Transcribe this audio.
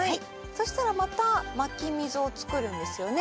そしたらまたまき溝をつくるんですよね？